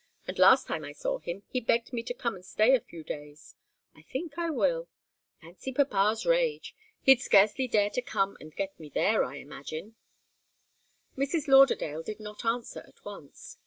The very last time I saw him, he begged me to come and stay a few days. I think I will. Fancy papa's rage! He'd scarcely dare to come and get me there, I imagine." Mrs. Lauderdale did not answer at once.